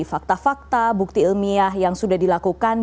fakta fakta bukti ilmiah yang sudah dilakukan